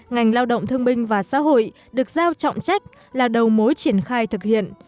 ngành lao động thương binh và xã hội được giao trọng trách là đầu mối triển khai thực hiện